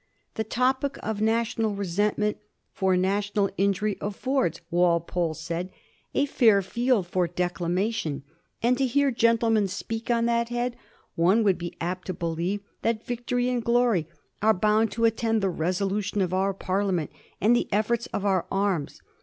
" The topic of national resentment for national injury affords," Walpole said, " a fair field for dec lamation ; and, to hear gentlemen speak on that head, one would be apt to believe that victory and glory are bound to attend the resolutions of our Parliament and the efforts of our arms.